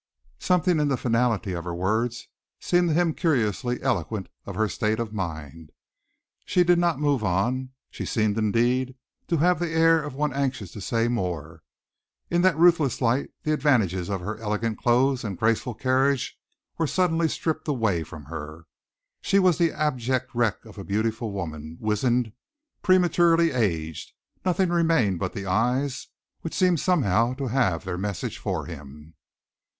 Something in the finality of her words seemed to him curiously eloquent of her state of mind. She did not move on. She seemed, indeed, to have the air of one anxious to say more. In that ruthless light, the advantages of her elegant clothes and graceful carriage were suddenly stripped away from her. She was the abject wreck of a beautiful woman, wizened, prematurely aged. Nothing remained but the eyes, which seemed somehow to have their message for him.